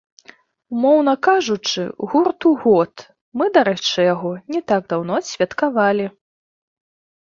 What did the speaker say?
Умоўна кажучы, гурту год, мы, дарэчы, яго не так даўно адсвяткавалі.